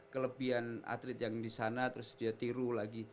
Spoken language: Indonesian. kelebihan atlet yang disana terus dia tiru lagi